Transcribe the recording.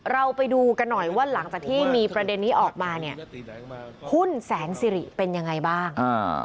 เราไปดูกันหน่อยว่าหลังจากที่มีประเด็นนี้ออกมาเนี่ยหุ้นแสนสิริเป็นยังไงบ้าง